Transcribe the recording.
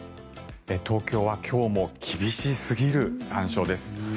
東京は今日も厳しすぎる残暑です。